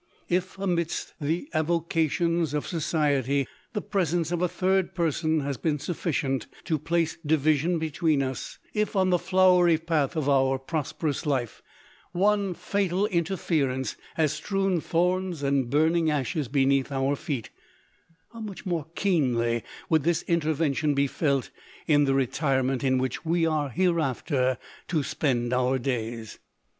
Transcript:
If amidst the avocations of so ciety, the presence of a third person has been sufficient to place division between us ;— if, on the flowerv path of our prosperous life, one fatal interference has strewn thorns and burning ashes beneath our feet, how much more keenly would this intervention be felt in the retirement in which we are hereafter to spend our days.